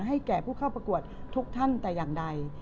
ให้แก่ผู้เข้าประกวดทุกท่านแต่อย่างใด